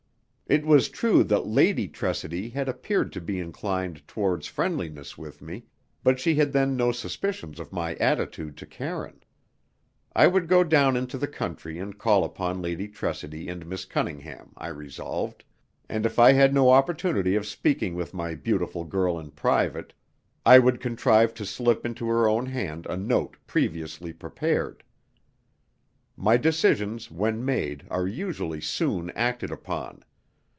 It was true that Lady Tressidy had appeared to be inclined towards friendliness with me, but she had then no suspicions of my attitude to Karine. I would go down into the country and call upon Lady Tressidy and Miss Cunningham, I resolved; and if I had no opportunity of speaking with my beautiful girl in private, I would contrive to slip into her own hand a note previously prepared. My decisions, when made, are usually soon acted upon.